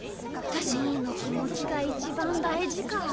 みーのきもちがいちばんだいじか。